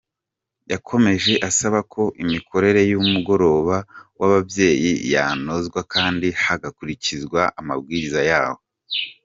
Yakomeje asaba ko imikorere y’umugoroba w’ababyeyi yanozwa kandi hagakurikizwa amabwiriza yawo.